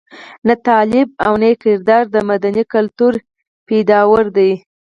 نه طالب او نه یې کردار د مدني کلتور پيداوار دي.